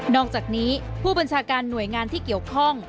อกจากนี้ผู้บัญชาการหน่วยงานที่เกี่ยวข้อง